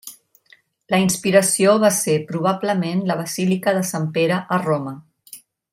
La inspiració va ser probablement la Basílica de Sant Pere a Roma.